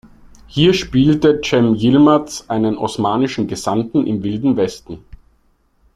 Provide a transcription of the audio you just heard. Hier spielt Cem Yilmaz einen osmanischen Gesandten im Wilden Westen.